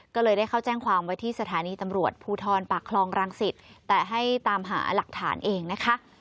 ก็เลยได้เข้าแจ้งความไว้ที่สถานีตำรวจภูทรปากคลองรังสิตแต่ให้ตามหาหลักฐานเองนะคะ